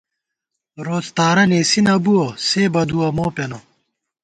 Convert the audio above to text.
روڅ تارہ نېسی نہ بُوَہ، سے بَدُوَہ مو پېنہ